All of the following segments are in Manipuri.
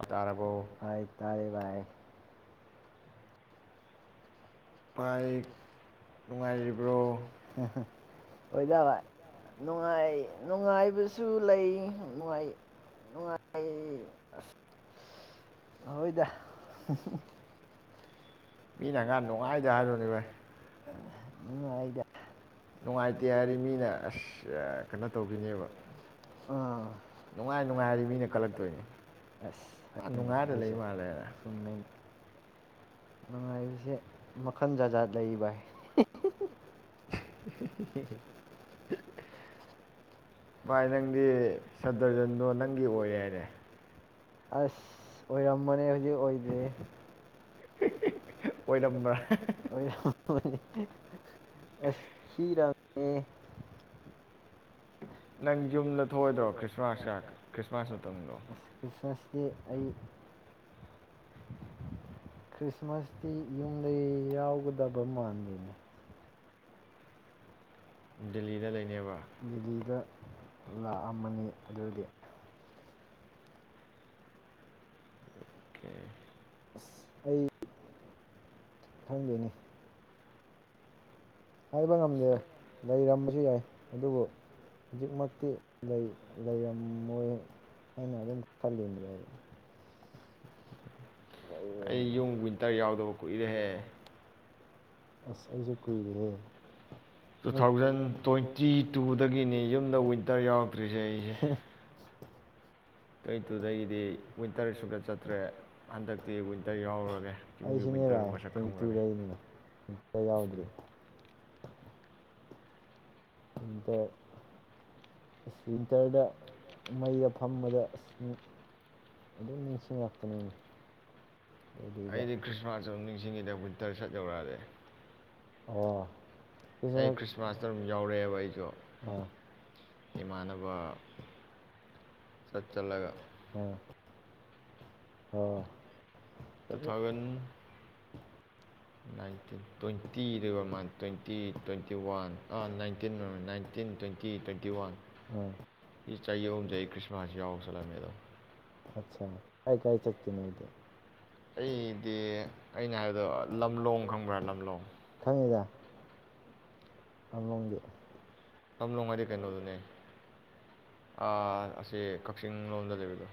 ꯚꯥꯏ ꯇꯔꯕꯣ ꯇꯥꯔꯦ ꯚꯥꯏ ꯚꯥꯏ ꯅꯨꯡꯉꯥꯏꯔꯤꯕ꯭ꯔꯣ ꯍꯣꯏꯗ ꯅꯨꯡꯉꯥꯏ ꯅꯨꯡꯉꯥꯏꯕꯁꯨ ꯂꯩ ꯅꯨꯡꯉꯥꯏ ꯅꯨꯡꯉꯥꯏ ꯑꯁ ꯍꯣꯏꯗ ꯃꯤꯅ ꯍꯪꯉꯥ ꯅꯨꯡꯉꯥꯏꯗ ꯍꯥꯏꯔꯂꯣꯏꯔꯦ ꯚꯥꯏ [inaudible] ꯅꯨꯡꯉꯥꯏꯇꯦ ꯍꯥꯏꯔꯤ ꯃꯤꯅ ꯑꯁ ꯀꯩꯅꯣ ꯇꯧꯈꯤꯅꯦꯕ ꯅꯨꯡꯉꯥꯏ ꯅꯨꯡꯉꯥꯏ ꯍꯥꯏꯔꯤ ꯃꯤꯅ ꯀꯜꯂꯛꯇꯣꯏꯅꯤ ꯃꯥ ꯅꯨꯡꯉꯥꯏꯔ ꯂꯩ ꯃꯥꯜꯂꯔ ꯅꯨꯡꯉꯥꯏꯕꯁꯦ ꯃꯈꯜ ꯖꯥꯖꯥꯠ ꯂꯩ ꯏ [unintelligible] ꯚꯥꯏ ꯅꯪꯗꯤ ꯁꯗꯔꯖꯟꯗꯣ ꯅꯪꯒꯤ ꯑꯣꯏ ꯍꯥꯏꯔꯦ ꯑꯁ ꯑꯣꯏꯔꯃꯅꯦ ꯍꯧꯖꯤꯛ ꯑꯣꯏꯗꯦ ꯅ ꯑꯣꯏ ꯑ ꯍꯔꯝꯅꯦ ꯅ ꯌꯨꯝꯗꯣ꯭ꯔꯤ ꯑ꯭ꯔꯤꯁ ꯑꯩ ꯈ꯭ꯔꯤꯁꯃꯥꯁꯇꯤ ꯌꯨꯝꯗꯒꯤ ꯌꯥꯎꯒꯗꯕ ꯃꯥꯟꯗꯦꯅꯤ ꯗꯗꯤꯜꯂꯤ ꯔꯥꯏ ꯂꯩꯥꯏꯅꯦ ꯦꯜꯂꯤꯗ ꯂꯥꯛꯑꯝꯃꯅꯤ ꯑꯗꯨꯗꯤ꯫ ꯀꯦ꯫ ꯑꯁ ꯑꯩ꯫ ꯈꯪꯗꯦꯅꯦ꯫ ꯍꯥꯏꯕ ꯉꯝꯗꯦ ꯂꯩꯔꯝ ꯑꯗꯨ ꯌꯥꯏ ꯑꯗꯨꯕꯨ ꯍꯧꯖꯤꯛꯃꯛꯇꯤ ꯂꯩ ꯂꯩꯔꯝꯃꯣꯏ ꯍꯥꯏꯅ ꯑꯗꯨꯝ ꯈꯜꯂꯤꯅꯦꯕ꯫ ꯑꯩ ꯌꯨꯝ ꯋꯤꯟꯇꯔ ꯌꯥꯎꯗꯕ ꯀꯨꯏꯔꯦꯍꯦ꯫ ꯑꯁ ꯑꯩꯁꯨ ꯀꯨꯏꯔꯦ꯫ ꯇꯨ ꯊꯥꯎꯖꯟ ꯇ꯭ꯋꯦꯟꯇꯤ ꯇꯨꯗꯒꯤꯅꯦ ꯌꯨꯝꯗ ꯋꯤꯟꯇꯔ ꯌꯥꯎꯔꯛꯇ꯭ꯔꯤꯁꯦ ꯑꯩ꯫ ꯑꯩꯁꯤꯅꯦ ꯚꯥꯏ ꯇ꯭ꯋꯦꯟꯇꯨꯗꯩꯅꯤ ꯋꯤꯟꯇꯔ ꯌꯥꯎꯗ꯭ꯔꯤ꯫ ꯋꯤꯟꯇꯔ ꯋꯤꯟꯇꯔꯗ ꯃꯩꯗ ꯐꯝꯕꯗ ꯑꯁ ꯑꯗꯨꯝ ꯅꯤꯡꯁꯤꯡꯉꯛꯄꯅꯤꯅꯦ꯫ ꯑꯩꯗꯤ ꯈ꯭ꯔꯤꯁꯃꯥꯁ ꯑꯗꯨꯝ ꯅꯤꯡꯁꯤꯡꯉꯤꯗ ꯋꯤꯟꯇꯔ ꯁꯠ ꯌꯧꯔꯛꯑꯗꯤ꯫ ꯑꯣ꯫ ꯑꯩ ꯈ꯭ꯔꯤꯁꯃꯥꯁꯇ ꯑꯗꯨꯝ ꯌꯥꯎꯔꯛꯑꯦꯕ ꯑꯩꯁꯨ ꯏꯃꯥꯟꯅꯕ꯫ ꯆꯠꯆꯜꯂꯒ꯫ ꯑꯣ꯫ Two thousand. [unintelligible] ꯇ꯭ꯋꯦꯟꯇꯤꯗꯩꯩ ꯑꯣꯏꯔ ꯃꯥꯜꯂꯦ ꯇ꯭ꯋꯦꯟꯇꯤ ꯇ꯭ꯋꯦꯟꯇꯤ ꯋꯥꯟ ꯑꯥ nineteen nineteen twenty twenty one ꯁꯤ ꯆꯍꯤ ꯑꯍꯨꯝꯁꯦ ꯑꯩ ꯈ꯭ꯔꯤꯁꯃꯥꯁ ꯌꯥꯎꯔ ꯆꯠꯂꯝꯃꯦ ꯑꯗꯣ꯫ ꯀꯥꯏ ꯀꯥꯏ ꯆꯠꯀꯦ ꯅꯣꯏꯗꯤ꯫ ꯑꯩꯗꯤ ꯑꯩꯅ ꯍꯥꯏꯕꯗꯣ ꯂꯝꯂꯣꯡ ꯈꯪꯕ꯭ꯔꯥ ꯂꯝꯂꯣꯡ ꯂꯝꯂꯣꯡꯒꯤ ꯂꯝꯂꯣꯡ ꯍꯥꯏꯗꯤ ꯀꯩꯅꯣꯗꯨꯅꯦ ꯑꯥ ꯑꯁꯤ ꯀꯛꯆꯤꯡ ꯂꯣꯝꯗ ꯂꯩꯕꯗꯣ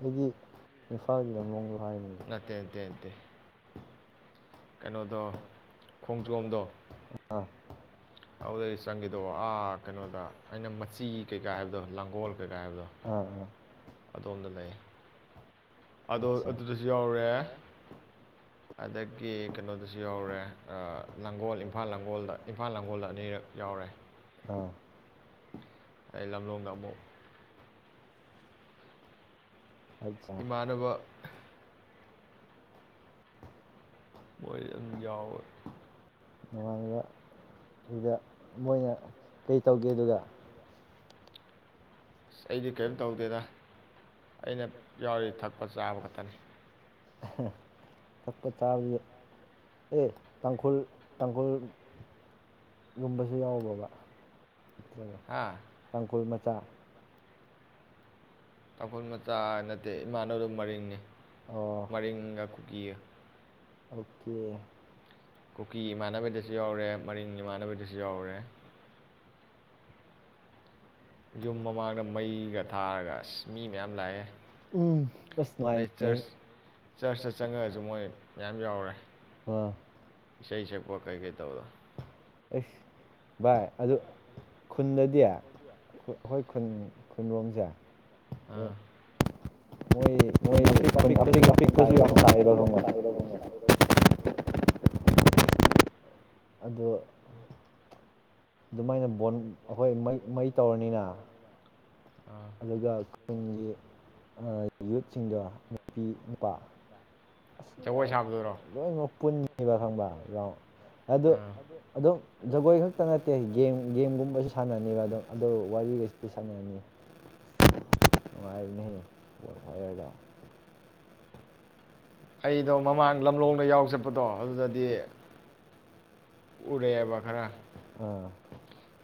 ꯑꯩꯗꯤ ꯏꯝꯐꯥꯜꯒꯤ ꯂꯝꯂꯣꯡꯗꯣ ꯅꯠꯇꯦ ꯅꯠꯇꯦ ꯅꯠꯇꯦ ꯀꯩꯅꯣꯗꯣ ꯈꯣꯡꯖꯣꯝꯗꯣ ꯑꯗꯨꯗꯩ ꯆꯪꯈꯤꯗꯧꯕ ꯑꯥ ꯀꯩꯅꯣꯗ ꯑꯩꯅ ꯃ ꯆꯤ ꯀꯩꯀꯥ ꯍꯥꯏꯕꯗꯣ ꯂꯥꯡꯒꯣꯜ ꯀꯩꯀꯥ ꯍꯥꯏꯕꯗꯣ ꯑꯗꯣꯝꯗ ꯂꯩ ꯑꯗꯨꯗꯁꯨ ꯌꯥꯎꯔꯦ ꯑꯗꯒꯤ ꯀꯩꯅꯣꯗꯁꯨ ꯌꯥꯎꯔꯦ ꯂꯥꯡꯒꯣꯜ ꯏꯝꯐꯥꯜ ꯂꯥꯡꯒꯣꯜꯗ ꯏꯝꯐꯥꯜ ꯂꯥꯡꯒꯣꯜꯗ ꯑꯅꯤꯔꯛ ꯌꯥꯎꯔꯦ ꯑꯩ ꯂꯝꯂꯣꯡꯗ ꯑꯃꯨꯛ ꯑꯆꯥ ꯃꯣꯏ ꯑꯗꯨꯝ ꯌꯥꯎꯏ ꯅꯣꯡꯉꯥꯟꯕꯗ ꯑꯗꯨꯗ ꯃꯣꯏꯅ ꯀꯩ ꯇꯧꯒꯦ ꯑꯗꯨꯗ ꯑꯁ ꯑꯩꯗꯤ ꯀꯔꯤꯝ ꯇꯧꯗꯦꯗ ꯑꯩꯅ ꯌꯥꯎꯔꯤ ꯊꯛꯄ ꯆꯥꯕ ꯈꯛꯇꯅꯤ ꯊꯛꯄ ꯆꯥꯕꯗꯤ ꯑꯦ ꯇꯥꯡꯈꯨꯜ ꯇꯥꯡꯈꯨꯜꯒꯨꯝꯕꯁꯨ ꯌꯥꯎꯕꯔꯣꯕ ꯇꯥꯡꯈꯨꯜ ꯃꯥ ꯆꯥ ꯇꯥꯡꯈꯨꯜ ꯃꯆꯥ ꯅꯠꯇꯦ ꯏꯃꯥꯟꯅꯕꯗ ꯃꯔꯤꯡꯅꯤ ꯃꯔꯤꯡꯒ ꯀꯨꯀꯤꯒ ꯑꯣꯀꯦ ꯀꯨꯀꯤ ꯏꯃꯥꯟꯅꯕꯗꯁꯨ ꯌꯥꯎꯔꯦ ꯃꯔꯤꯡ ꯏꯃꯥꯟꯅꯕꯗꯁꯨ ꯌꯥꯎꯔꯦ ꯌꯨꯝ ꯃꯃꯥꯡꯗ ꯃꯩꯒ ꯊꯥꯔꯒ ꯑꯁ ꯃꯤ ꯃꯌꯥꯝ ꯂꯥꯛꯑꯦ ꯑꯗꯩ ꯆꯔꯆ ꯆꯔꯆꯇ ꯆꯪꯉꯒꯁꯨ ꯃꯣꯏ ꯃꯌꯥꯝ ꯌꯥꯎꯔꯦ ꯏꯁꯩ ꯁꯛ ꯋꯥ ꯀꯩ ꯀꯩ ꯇꯧꯕꯗꯣ ꯑꯦꯁ ꯚꯥꯏ ꯑꯗꯨ ꯈꯨꯟꯗꯗꯤ ꯍꯣꯏ ꯈꯨꯟ ꯈꯨꯟꯔꯣꯝꯁꯦ ꯑꯥ ꯃꯣꯏ ꯈꯨꯜ ꯑꯄꯤꯛ ꯑꯄꯤꯛꯞꯁꯨ ꯌꯥꯝ ꯇꯥꯏꯌꯦꯕ ꯈꯪꯕꯔ꯭ꯥ ꯑꯗꯣ ꯑꯗꯨꯃꯥꯏꯅ ꯕꯣꯟ ꯑꯩꯈꯣꯏ ꯃꯩ ꯃꯩ ꯇꯧꯔꯅꯤꯅ ꯑꯗꯨꯒ ꯈꯨꯟꯒꯤ ꯌꯨꯠꯁꯤꯡꯗꯣ ꯅꯨꯄꯤ ꯅꯨꯄꯥ ꯑꯁ ꯂꯣꯏꯅꯃꯛ ꯄꯨꯟꯕ ꯈꯪꯕ ꯔꯥꯎꯟ ꯑꯗꯨ ꯑꯗꯨꯝ ꯖꯒꯣꯏ ꯈꯛꯇ ꯅꯠꯇꯦ ꯒꯦꯝ ꯒꯦꯝꯒꯨꯝꯕꯁꯨ ꯁꯥꯟꯅꯅꯤꯕ ꯑꯗꯨꯝ ꯑꯗꯨ ꯋꯥꯔꯤꯒꯩꯁꯤ ꯁꯥꯟꯅꯅꯤ ꯅꯨꯡꯉꯥꯏꯕꯅꯦ ꯍꯦ ꯕꯣꯟꯐꯥꯏꯔꯒ ꯑꯩꯗꯣ ꯃꯃꯥꯡ ꯂꯝꯂꯣꯡꯗ ꯌꯥꯎ ꯆꯠꯄꯗꯣ ꯑꯗꯨꯗꯗꯤ ꯎꯔꯦꯕ ꯈꯔ ꯑꯥ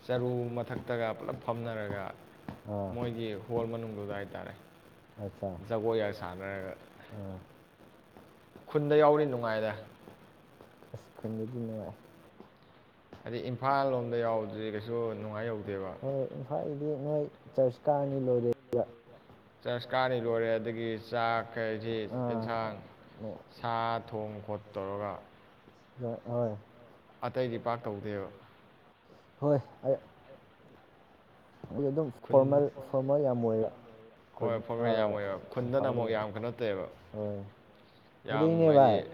ꯆꯔꯨ ꯃꯊꯛꯇꯒ ꯄꯨꯂꯞ ꯐꯝꯅꯔꯒ ꯃꯣꯏꯒꯤ ꯍꯣꯜ ꯃꯅꯨꯡꯗꯨꯗ ꯍꯥꯏ ꯇꯔꯦ ꯖꯒꯣꯏꯒ ꯁꯥꯟꯅꯔꯒ ꯈꯨꯟꯗ ꯌꯥꯎꯕꯗꯤ ꯅꯨꯡꯉꯥꯏꯔꯦ ꯑꯁ ꯈꯨꯟꯗꯗꯤ ꯅꯨꯡꯉꯥꯏ ꯍꯥꯏꯗꯤ ꯏꯝꯐꯥꯜ ꯂꯣꯝꯗ ꯌꯥꯎꯕꯗꯨꯗꯤ ꯀꯩꯁꯨ ꯅꯨꯡꯉꯥꯏ ꯌꯧꯗꯦꯕ ꯌꯦꯡꯉꯣꯏ ꯆꯔꯁ ꯀꯥꯅꯤ ꯂꯣꯏꯔꯦ ꯑꯗꯒꯤ ꯆꯥꯛ ꯀꯩꯁꯤ ꯑꯦꯟꯁꯥꯡ ꯁꯥ ꯊꯣꯡ ꯈꯣꯠ ꯇꯧꯔꯒ ꯂꯣꯏ ꯑꯣꯏ ꯑꯇꯩꯗꯤ ꯄꯥꯛ ꯇꯧ ꯍꯣꯏ ꯑ ꯈꯨꯟ ꯐꫭꯔꯃꯦꯜ ꯐꫭꯔꯃꯦꯜ ꯌꯥꯝ ꯑꫭꯏꯌꯦꯕ ꯍꫭꯏ ꯐꯣꯔꯃꯦꯜ ꯌꯥꯝ ꯑꫭꯏꯕ ꯈꯨꯟꯗꯅ ꯑꯃꯨꯛ ꯌꯥꯝ ꯀꯩꯅꯣ ꯇꯩꯋꯦꯕ ꯌꯥꯝ ꯍꯥꯏꯗꯤ [unintelligible]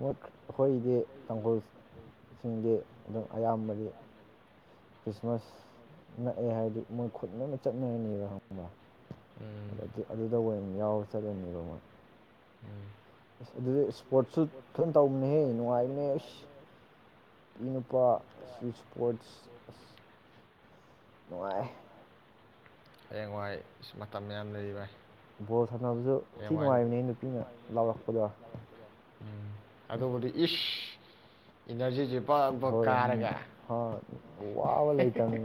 ꯃꯨꯛ ꯑꯈꫭꯏꯗꯤ ꯇꯥꯡꯈꯨꯜ ꯁꯤꯡꯗꯤ ꯑꯗꯨꯝ ꯑꯌꯥꯝꯕꯗꯤ ꯈ꯭ꯔꯤꯁꯃꯥꯁ ꯅꯛꯑꯦ ꯍꯥꯏꯔꯗꯤ ꯃꯣꯏ ꯈꯨꯟ ꯂꫭꯏꯅ ꯆꯠꯅꯔꯅꯦꯕ ꯈꯪꯕ꯭ꯔ ꯑꯗꯨ ꯑꯗꯨꯗ ꯑꯣꯏꯅ ꯌꯥꯎꯕ ꯆꯠꯂꯅꯦꯕ ꯃꫭꯏ ꯎꯝ ꯑꯁ ꯑꯗꯨꯗ ꯁꯄꯣꯔꯠꯁꯨ ꯐꯖꯅ ꯇꯧꯕꯅꯦꯍꯦ ꯅꯨꯡꯉꯥꯏꯕꯅꯦ ꯑꯁ ꯏ ꯅꯨꯄꯥ ꯁꯄꯣꯔꯠꯁ ꯑꯁ ꯅꯨꯡꯉꯥꯏ ꯍꯌꯦꯡꯋꯥꯏ ꯃꯇꯝ ꯌꯥꯝ ꯂꯩꯔꯤ ꯚꯥꯏ ꯚꫭꯁ ꯁꯥꯟꯅꯕꯁꯨ ꯊꯤ ꯅꯨꯡꯉꯥꯏꯕꯅꯤ ꯅꯨꯄꯤꯅ ꯂꯥꯎꯔꯛꯄꯗꯣ ꯑꯗꯨꯕꯨꯗꯤ ꯏꯁ ꯏꯅꯔꯖꯤꯁꯤ ꯕꯛꯕꯛ ꯀꯥꯔꯒ ꯍꯤ ꯍꯤ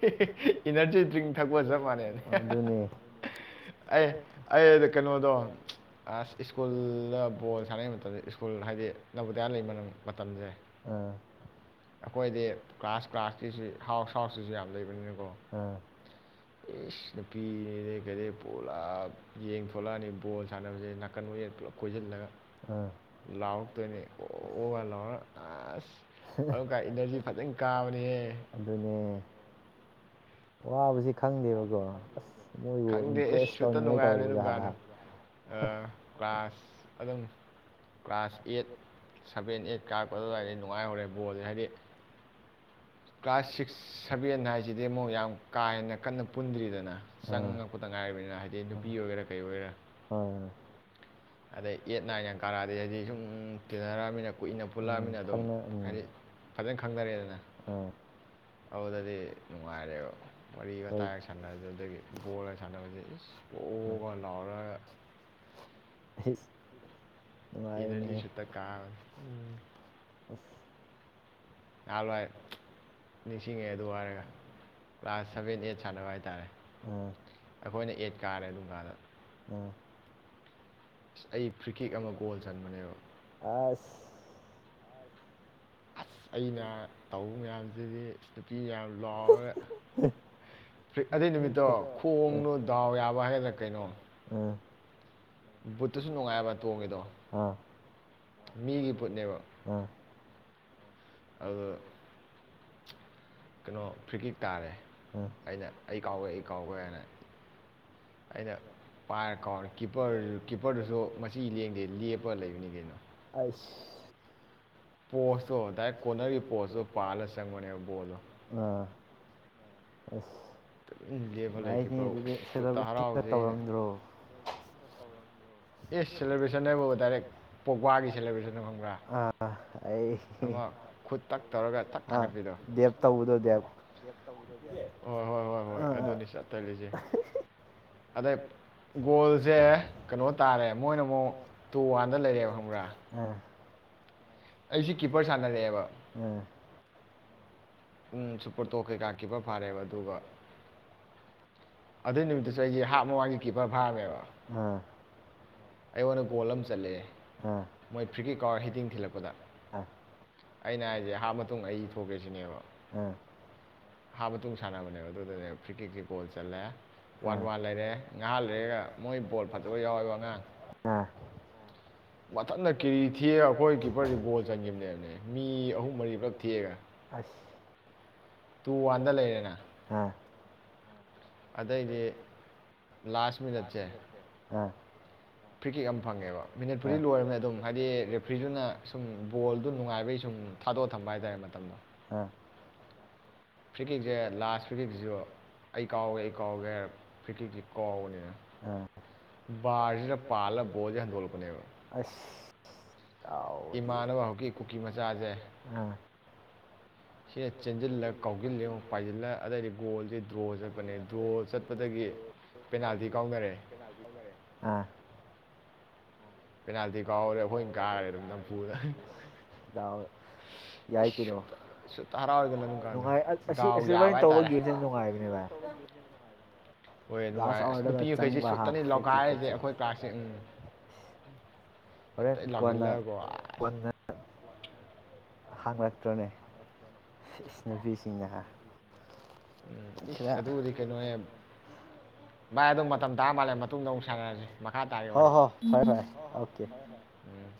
ꯍꯤ ꯏꯅꯔꯖꯤ ꯗ꯭ꯔꯤꯡ ꯊꯛꯄ ꯆꯞ ꯃꯥꯟꯅꯩꯅꯦ ꯍꯦ ꯍꯥ ꯍꯥ ꯑꯦ ꯑꯩ ꯀꯩꯅꯣꯗꯣ ꯑꯁ ꯁ꯭ꯀꯨꯜꯗ ꯕꯣꯜ ꯁꯥꯟꯅꯩ ꯉꯥꯏ ꯃꯇꯝꯗ ꯁ꯭ꯀꯨꯜ ꯍꯥꯏꯗꯤ ꯅꯕꯨꯗꯤꯌꯥ ꯂꯩ ꯃꯇꯝꯖꯦ ꯑꯩꯈꯣꯏꯗꯤ ꯀ꯭ꯂꯥꯁ ꯀ꯭ꯂꯥꯁꯀꯤꯁꯤ ꯍꯥꯎ ꯍꯥꯎꯁꯤꯁꯨ ꯌꯥꯝ ꯂꯩꯕꯅꯤꯅꯀꯣ ꯏꯁ ꯅꯨꯄꯤꯅꯤꯗꯩ ꯀꯩꯗꯩ ꯄꯨꯂꯞ ꯌꯦꯡ ꯊꯣꯛꯣꯂꯛ ꯑꯅꯤ ꯕꯣꯜ ꯁꯥꯟꯅꯕꯁꯦ ꯅꯥꯀꯟ ꯑꯣꯏꯟ ꯄꯨꯂꯞ ꯀꯣꯏꯁꯤꯜꯂꯒ ꯂꯥꯎꯛꯇꯣꯏꯅꯦ ꯑꯣ ꯀꯥꯏꯅ ꯂꯥꯎꯔꯛ ꯑꯒ ꯑꯁ ꯑꯗꯨꯒ ꯏꯅꯔꯖꯤ ꯐꯖꯅ ꯀꯥꯕꯅꯤꯍꯦ ꯑꯗꯨꯅꯦ ꯋꯥꯕꯖꯤꯛ ꯈꯪꯗꯦ ꯏꯁ ꯁꯨꯠꯇ ꯅꯨꯡꯉꯥꯏꯕꯅꯦ ꯑꯗꯨꯡꯀꯟꯗꯣ ꯑꯥ ꯀ꯭ꯂꯥꯁ ꯑꯗꯨꯝ ꯀ꯭ꯂꯥꯁ ꯑꯦꯠ ꯁꯚꯦꯟ ꯑꯦꯠ ꯀꯥꯔꯛꯄ ꯑꯗꯨꯋꯥꯏꯗꯩꯩ ꯅꯨꯡꯉꯥꯏꯍꯧꯔꯦ ꯕꯣꯜꯖꯦ ꯍꯥꯏꯗꯤ ꯀ꯭ꯂꯥꯁ ꯁꯤꯛꯁ ꯁꯚꯦꯟ ꯍꯥꯏꯖꯤꯗꯤ ꯑꯃꯨꯛ ꯌꯥꯝ ꯀꯥ ꯍꯦꯟꯅ ꯀꯟꯅ ꯄꯨꯟꯗꯔ꯭ꯤꯗꯅ ꯑ [inaudible] ꯑ ꯑꯗꯩ ꯑꯦꯠ ꯅꯥꯏꯟꯒ ꯀꯥꯔꯛꯑꯗꯤ ꯍꯥꯏꯗꯤ ꯁꯨꯝ ꯇꯤꯟꯅꯔꯝꯃꯤ ꯀꯨꯏꯅ ꯄꯨꯜꯂꯛꯑꯃꯤꯅ ꯑꯗꯨꯝ ꯍꯥꯏꯗꯤ ꯐꯖ ꯈꯪ ꯈꯪꯅꯔꯦꯗꯅ ꯑꯥ ꯑꯧꯗꯗꯤ ꯅꯨꯡꯉꯥꯏꯔꯦꯕ ꯋꯥꯔꯤ ꯋꯥꯇꯥꯏꯒ ꯁꯥꯟꯅꯔꯖꯨ ꯑꯗꯒꯤ ꯕꯣꯜ ꯁꯥꯟꯅꯅꯕꯖꯦ ꯏꯁ ꯑꯣ ꯒꯥ ꯂꯥꯎꯔꯒ [unintelligible] ꯏꯟꯅꯔꯖꯤ ꯁꯨꯠꯇ ꯀꯥ [unintelligible] ꯅꯍꯥꯥꯟꯋꯥꯏ ꯅꯤꯡꯁꯤꯡꯉꯦ ꯑꯗꯨ ꯍꯥꯏꯔꯒ ꯀ꯭ꯂꯥꯁ ꯁꯚꯦꯟ ꯑꯩꯠ ꯁꯥꯟꯅꯕ ꯇꯥꯔꯦ ꯑꯩꯈꯣꯏꯅ ꯑꯦꯠ ꯀꯥꯔꯦ ꯑꯗꯨꯝ ꯀꯥꯟꯗ ꯑꯩ ꯐ꯭ꯔꯤꯀꯤꯛ ꯑꯃ ꯒꯣꯜ ꯆꯟꯕꯅꯦꯕ ꯑꯥꯁ ꯑꯁ ꯑꯩꯅ ꯇꯧꯕ ꯃꯌꯥꯝ ꯑꯗꯨꯗꯤ ꯏꯁ ꯅꯨꯄꯤ ꯃꯌꯥꯝ ꯂꯥꯎꯔꯒ ꯑꯗꯨꯏ ꯅꯨꯃꯤꯠꯇꯣ ꯈꯣꯡꯗꯣ ꯗꯥꯎ ꯌꯥꯕ ꯍꯥꯏꯒꯗ꯭ꯔꯥ ꯀꯩꯅꯣ [inaudible] ꯑ [inaudible] ꯑ [unintelligible] ꯀꯅꯣ ꯐ꯭ꯔꯤꯀꯤꯛ ꯇꯥꯔꯦ ꯑꯩꯅ ꯑꯩ ꯀꯥꯎꯋꯦ ꯑꯩ [unintelligible] ꯑꯩꯅ ꯄꯥꯏꯔ ꯀꯥꯎꯔꯦ ꯀꯤꯞꯄꯔ ꯀꯤꯞꯄꯔꯗꯨꯁꯨ ꯃꯆꯤ ꯂꯦꯡꯗꯦ ꯂꯦꯞꯄꯒ ꯂꯩꯕꯅꯤ ꯀꯩꯅꯣ ꯄꯣꯁꯇꯣ ꯗꯥꯏꯦꯛ ꯀꯣꯟꯅꯔꯒꯤ ꯄꯣꯁꯇꯣ ꯄꯥꯜꯂ ꯆꯪꯕꯅꯦꯕ ꯕꯣꯜꯗꯣ ꯑꯁ [unintelligible] ꯇꯧꯔꯝꯗ꯭ꯔꯣ ꯑꯦꯁ ꯁꯦꯂꯦꯕ꯭ꯔꯦꯁꯟ ꯍꯥꯏꯕꯨ ꯗꯥꯏꯔꯦꯛ ꯄꯣꯛꯋꯥꯒꯤ ꯁꯦꯂꯦꯕ꯭ꯔꯦꯁꯟꯗꯨ ꯈꯪꯕ꯭ꯔꯥ ꯑꯃ ꯈꯨꯠ ꯇꯛ ꯇꯧꯔꯒ ꯊꯛ ꯊꯥꯡꯒꯠꯄꯤꯗꯣ ꯍꯣꯏ ꯍꯣꯏ ꯍꯣꯏ ꯍꯣꯏ ꯑꯗꯨꯅꯤ ꯆꯠ ꯆꯜꯂꯤꯁꯦ ꯑꯗꯩ ꯒꯣꯜꯁꯦ ꯀꯩꯅꯣ ꯇꯥꯔꯦ ꯃꯣꯏꯅ ꯑꯃꯨꯛ ꯇꯨ ꯋꯥꯟꯗ ꯂꯩꯔꯦꯕ ꯈꯪꯕ꯭ꯔꯥ ꯑꯩꯁꯤ ꯀꯤꯄꯔ ꯁꯥꯟꯅꯔꯛꯑꯦꯕꯥ ꯎꯝ ꯁꯨꯄꫪꯇꯣ ꯀꯩꯀꯥ ꯀꯤꯄꯔ ꯐꯥꯔꯦꯕ ꯑꯗꯨꯒ ꯑꯗꯨꯏ ꯅꯨꯃꯤꯠꯇꯁꯨ ꯑꯩꯒꯤ ꯍꯥꯞ ꯃꯉꯒꯤ ꯀꯤꯄꯔ ꯐꯥꯔꯝꯃꯦꯕ ꯑꯥ ꯑꯩꯉꯣꯟꯗ ꯒꯣꯜ ꯑꯃ ꯆꯠꯂꯛꯑꯦ ꯃꯣꯏ ꯐ꯭ꯔꯤꯀꯤ ꯀꯋꯥꯔ ꯍꯤꯇꯤꯡ ꯊꯤꯜꯂꯛꯄꯗ ꯑꯩꯅ ꯍꯥꯏꯁꯦ ꯍꯥꯞ ꯃꯇꯨꯡ ꯑꯩ ꯊꯣꯛꯀꯦꯁꯤꯅꯦꯕ ꯍꯥꯞ ꯃꯇꯨꯡ ꯁꯥꯟꯅꯕꯅꯦꯕ ꯑꯗꯨꯗꯅꯦꯕ [inaudible] ꯕꯣꯜ ꯆꯜꯂꯦ ꯋꯥꯟ ꯋꯥꯟ ꯂꯩꯔꯦ ꯉꯍꯥꯛ ꯂꯩꯔꯒ ꯃꯣꯏ ꯕꯣꯜ ꯐꯖꯕ ꯌꯥꯎꯋꯦꯕ ꯑꯉꯥꯡ ꯃꯊꯟꯟꯅ ꯀꯦꯔꯤ ꯊꯤꯑ ꯑꯩꯈꯣꯏ ꯀꯤꯞꯄꯔꯁꯤ ꯒꯣꯜ ꯆꯟꯈꯤꯕꯅꯦꯕꯅꯦ ꯃꯤ ꯑꯍꯨꯝ ꯃꯔꯤ ꯄꯨꯂꯞ ꯊꯦꯛꯑꯒ ꯇꯨ ꯋꯥꯟꯗ ꯂꯩꯔꯦꯅ ꯑꯗꯩꯗꯤ ꯂꯥꯁ ꯃꯤꯅꯠꯁꯦ ꯑꯥ ꯐ꯭ꯔꯤ ꯀꯤꯛ ꯑꯃ ꯐꯪꯉꯦꯕ ꯃꯤꯅꯤꯠꯄꯨꯗꯤ ꯂꯣꯏꯃꯤꯅꯤ ꯑꯗꯨꯝ ꯍꯥꯏꯗꯤ ꯔꯦꯐ꯭ꯔꯤꯗꯨꯅ ꯁꯨꯝ ꯕꯣꯜꯗꯨ ꯅꯨꯡꯉꯥꯏꯕꯩ ꯁꯨꯝ ꯊꯥꯗꯣꯛꯑ ꯊꯝꯕ ꯍꯥꯏ ꯇꯔꯦ ꯃꯇꯝꯗꯣ ꯑ ꯑꯁ [unintelligible] ꯏꯃꯥꯟꯅꯕ ꯍꯧꯖꯤꯛꯀꯤ ꯀꯨꯀꯤ ꯃꯆꯥꯁꯦ ꯍꯦ ꯆꯦꯟꯁꯤꯜꯂ ꯀꯥꯎꯁꯤꯜꯂꯦ ꯑꯃꯨꯛ ꯄꯥꯏꯁꯤꯜꯂ ꯑꯗꯩꯗꯤ ꯒꯣꯜꯖꯦ ꯗ꯭ꯔꯣ ꯆꯠꯄꯅꯦ ꯗ꯭ꯔꯣ ꯆꯠꯄꯗꯒꯤ ꯄꯦꯅꯥꯜꯇꯤ ꯀꯥꯎꯅꯔꯦ ꯑ ꯄꯦꯅꯥꯜꯇꯤ ꯀꯥꯎꯕꯗꯩ ꯑꯩꯈꯣꯏ ꯀꯥꯔꯦ ꯑꯗꯨꯝ ꯅꯝꯐꯨꯗ [unintelligible] [inaudible] ꯀꯥꯟꯗꯣ ꯗꯥꯎ ꯌꯥꯕ ꯍꯥꯏꯇꯥꯔꯦ ꯍꯣꯏ ꯅꯨꯡꯉꯥꯏꯔꯦ ꯑꯁ ꯅꯨꯄꯤꯃꯈꯩꯁꯤ ꯁꯨꯠꯇꯅꯤ ꯂꯧꯈꯥꯏꯔꯤꯁꯦ ꯑꯩꯈꯣꯏ [unintelligible] ꯎꯝ [unintelligible] [unintelligible] [unintelligible] ꯍꯪꯂꯛꯇ꯭ꯔꯣꯅꯦ ꯏꯁ ꯅꯨꯨꯄꯤꯁꯤꯡꯅ ꯎꯝ ꯏꯁ ꯑꯗꯨꯗꯤ ꯀꯩꯅꯣꯅꯦ ꯚꯥꯏ ꯑꯗꯨꯝ ꯃꯇꯝ ꯇꯥ ꯃꯥꯜꯂꯦ ꯃꯇꯨꯡꯗ ꯑꯃꯨꯛ ꯁꯥꯟꯅꯔꯁꯤ ꯃꯈꯥ ꯇꯥꯒꯦ ꯋꯥꯔꯤ ꯎꯝ